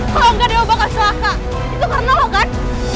kalo gak dewa bakal selaka itu karena lo kan